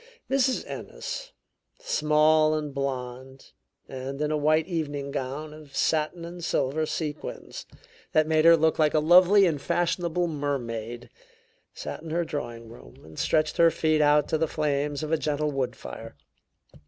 Mrs. Ennis, small and blond, and in a white evening gown of satin and silver sequins that made her look like a lovely and fashionable mermaid, sat in her drawing room and stretched her feet out to the flames of a gentle woodfire.